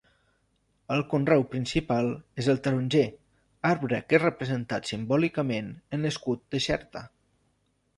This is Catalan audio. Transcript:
El conreu principal és el taronger, arbre que és representat simbòlicament en l'escut de Xerta.